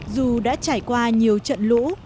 dù đã trải qua nhiều trận lũ